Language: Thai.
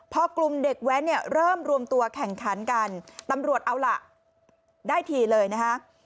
พอกลุ่มเด็กแว้นเนี่ยเริ่มรวมตัวแข่งขันกันตำรวจเอาล่ะได้ทีเลยนะฮะ